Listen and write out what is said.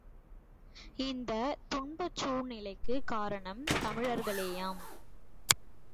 இந்தத்துன்பச் சூழ்நிலைக்குக் காரணம் தமிழர்களேயாம்.